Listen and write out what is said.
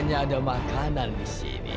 hanya ada makanan di sini